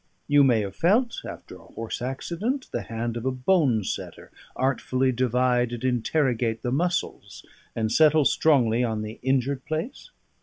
You may have felt (after a horse accident) the hand of a bone setter artfully divide and interrogate the muscles, and settle strongly on the injured place?